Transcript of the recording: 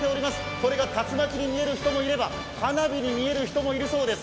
これが竜巻に見える人もいれば花火に見える人もいるそうです。